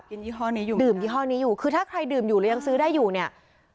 ยี่ห้อนี้อยู่ดื่มยี่ห้อนี้อยู่คือถ้าใครดื่มอยู่แล้วยังซื้อได้อยู่เนี่ย